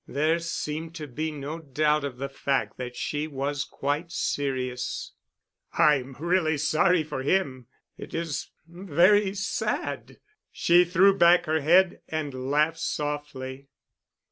There seemed to be no doubt of the fact that she was quite serious. "I'm really sorry for him. It is—very sad——" She threw her head back and laughed softly.